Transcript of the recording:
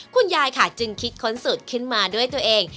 คุณยายค่ะจึงคิดค้นสูตรขึ้นมาด้วยตัวเอง